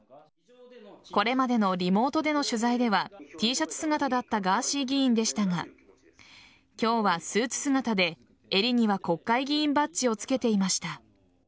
これまでのリモートでの取材ではＴシャツ姿だったガーシー議員でしたが今日はスーツ姿で、襟には国会議員バッジをつけていました。